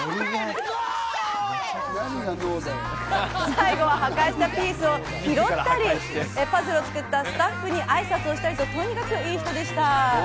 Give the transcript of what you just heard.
最後は破壊したピースを拾ったり、パズルを作ったスタッフにあいさつをしたりと、とにかくいい人でした。